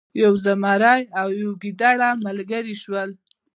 یو زمری او یو ګیدړه ملګري شول.